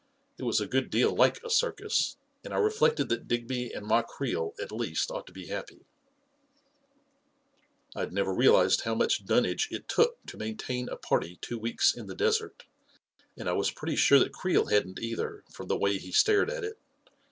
It was a good deal like a circus, and I reflected that Digby and Ma Creel, at least, ought to be happy ! I had never realized how much dunnage it took to maintain a party two weeks in the desert, and I was pretty sure that Creel hadn't, either, from the way he stared at it.